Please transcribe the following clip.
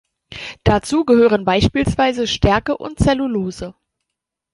Dazu gehören beispielsweise Stärke und Zellulose.